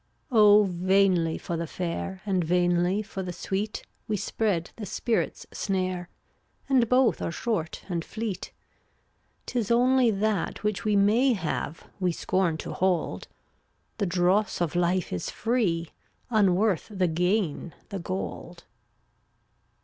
3 83 Oh, vainly for the fair And vainly for the sweet, We spread the spirit's snare; And both are short and fleet. 'Tis only that which we May have we scorn to hold; The dross of life is free, Unworth the gain the gold.